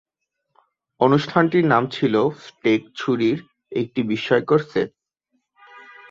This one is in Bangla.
অনুষ্ঠানটির নাম ছিল "স্টেক ছুরির একটি বিস্ময়কর সেট"।